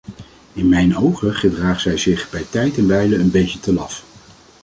In mijn ogen gedraagt zij zich bij tijd en wijle een beetje te laf.